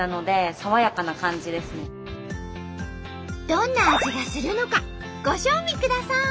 どんな味がするのかご賞味ください！